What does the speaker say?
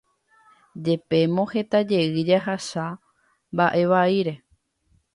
Jepémo heta jey jahasa mba'e vaíre